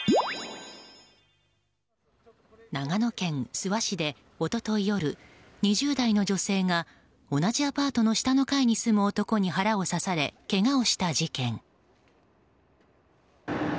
長野県諏訪市で一昨日夜、２０代の女性が同じアパートの下の階に住む男に腹を刺されけがをした事件。